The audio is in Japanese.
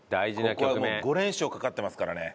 ここはもう５連勝かかってますからね。